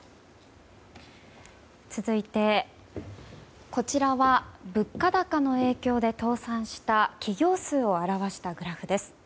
続いて、こちらは物価高の影響で倒産した企業数を表したグラフです。